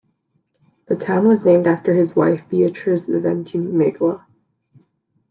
The town was named after his wife, Beatrice Ventimiglia.